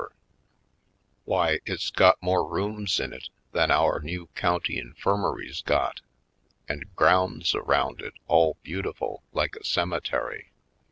Poindexter^ Colored Why, it's got more rooms in it than our new county infirmary's got and grounds around it all beautiful like a cemetery.